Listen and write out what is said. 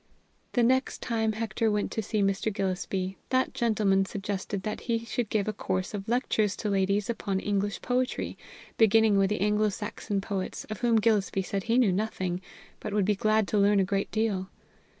The next time Hector went to see Mr. Gillespie, that gentleman suggested that he should give a course of lectures to ladies upon English Poetry, beginning with the Anglo Saxon poets, of whom Gillespie said he knew nothing, but would be glad to learn a great deal.